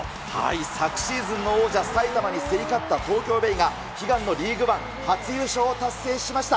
昨シーズンの王者、埼玉に競り勝った東京ベイが、悲願のリーグワン初優勝を達成しました。